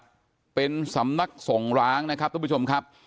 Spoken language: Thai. ก็เป็นสำนักส่งร้างนะครับสุดประชุมครับ